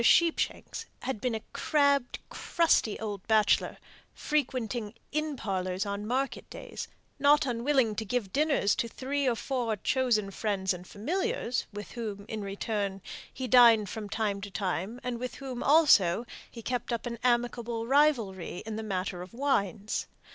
Sheepshanks had been a crabbed, crusty old bachelor, frequenting inn parlours on market days, not unwilling to give dinners to three or four chosen friends and familiars, with whom, in return, he dined from time to time, and with whom, also, he kept up an amicable rivalry in the matter of wines.